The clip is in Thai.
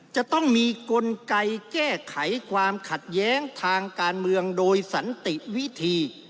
จะต้องมีกลไกแก้ไขความขัดแย้งทางการเมืองโดยสันติวิธี